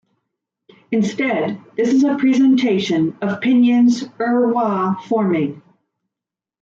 Instead, this is a presentation of pinyin's erhua forming.